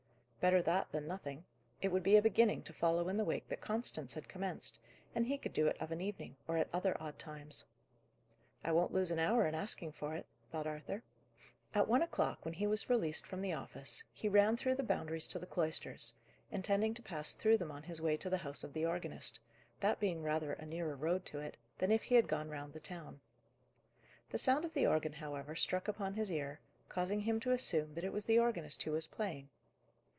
Better that, than nothing; it would be a beginning to follow in the wake that Constance had commenced; and he could do it of an evening, or at other odd times. "I won't lose an hour in asking for it," thought Arthur. At one o'clock, when he was released from the office, he ran through the Boundaries to the cloisters, intending to pass through them on his way to the house of the organist, that being rather a nearer road to it, than if he had gone round the town. The sound of the organ, however, struck upon his ear, causing him to assume that it was the organist who was playing.